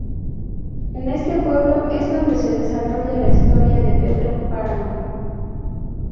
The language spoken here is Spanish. En este pueblo es donde se desarrolla la historia de Pedro Páramo.